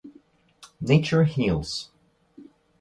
Nature heals.